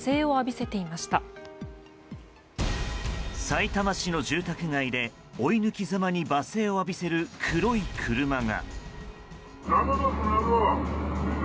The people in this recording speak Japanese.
さいたま市の住宅街で追い抜きざまに罵声を浴びせる黒い車が。